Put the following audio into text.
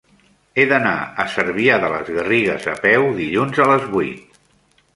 He d'anar a Cervià de les Garrigues a peu dilluns a les vuit.